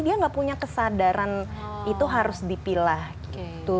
dia nggak punya kesadaran itu harus dipilah gitu